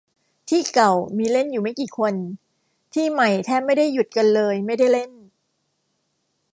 ที่เก่ามีเล่นอยู่ไม่กี่คน ที่ใหม่แทบไม่ได้หยุดกันเลยไม่ได้เล่น